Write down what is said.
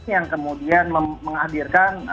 yang kemudian menghadirkan